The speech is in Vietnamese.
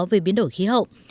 về biến đổi khí hậu